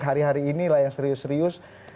hari hari ini lah yang serius serius